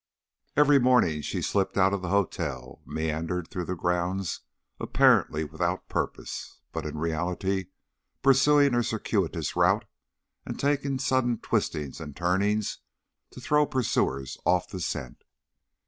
Every morning she slipped out of the hotel, meandered through the grounds apparently without purpose, but in reality pursuing a circuitous route and taking sudden twistings and turnings to throw pursuers off the scent.